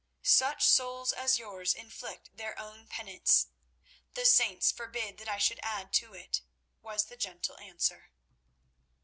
"Such souls as yours inflict their own penance. The saints forbid that I should add to it," was the gentle answer.